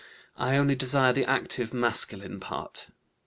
I only desire the active masculine part.